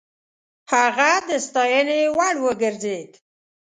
هغه د ستاينې وړ وګرځېد.